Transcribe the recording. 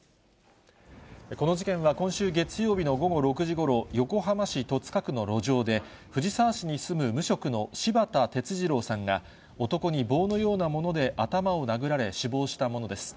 この事件は今週月曜日の午後６時ごろ、横浜市戸塚区の路上で、藤沢市の住む無職の柴田哲二郎さんが男に棒のようなもので頭を殴られ、死亡したものです。